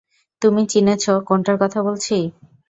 তুমি চিনেছ কোনটার কথা বলছি?